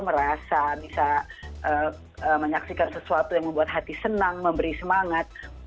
merasa bisa menyaksikan sesuatu yang membuat hati senang memberi semangat